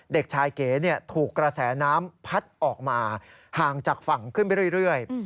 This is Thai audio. เด็กชายเก๋ถูกกระแสน้ำพัดออกมาห่างจากฝั่งขึ้นไปเรื่อย